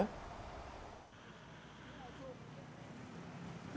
đối tượng lý văn hải chú tại thị trấn phó bảng huyện hà giang